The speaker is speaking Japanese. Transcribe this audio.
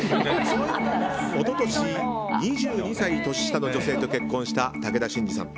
一昨年、２２歳年下の女性と結婚した武田真治さん。